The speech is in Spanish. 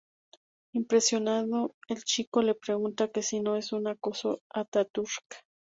Impresionado, el chico le pregunta que si no es acaso Atatürk.